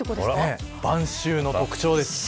晩秋の特徴です。